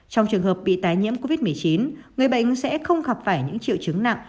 trong trường hợp bị tái nhiễm covid một mươi chín người bệnh sẽ không gặp phải những triệu chứng nặng